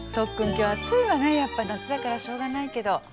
今日暑いわねやっぱり夏だからしょうがないけど。